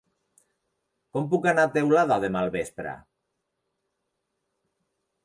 Com puc anar a Teulada demà al vespre?